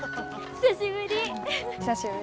久しぶり。